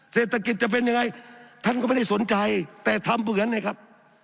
เศรษฐกิจจะเป็นยังไงท่านก็ไม่ได้สนใจแต่ทำเหมือนไงครับ